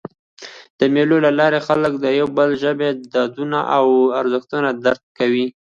د مېلو له لاري خلک د یو بل ژبه، دودونه او ارزښتونه درک کوي.